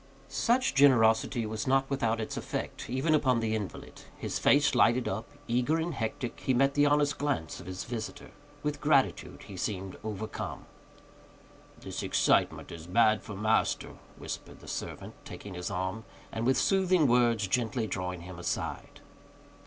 Such generosity was not without its effect, even upon the invalid. His face lighted up; eager and hectic, he met the honest glance of his visitor. With gratitude he seemed overcome. "This excitement is bad for master," whispered the servant, taking his arm, and with soothing words gently drawing him aside.